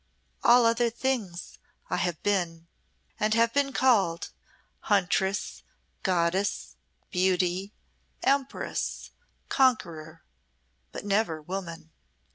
All other things I have been, and have been called 'Huntress,' 'Goddess,' 'Beauty,' 'Empress,' 'Conqueror,' but never 'Woman.'